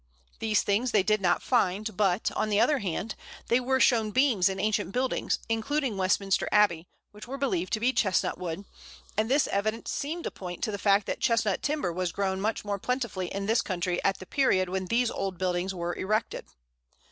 These things they did not find, but, on the other hand, they were shown beams in ancient buildings, including Westminster Abbey, which were believed to be Chestnut wood, and this evidence seemed to point to the fact that Chestnut timber was grown much more plentifully in this country at the period when these old buildings were erected.